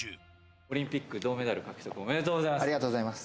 オリンピック銅メダル獲得、ありがとうございます。